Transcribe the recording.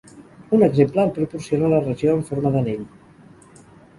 Un exemple el proporciona la regió en forma d'anell.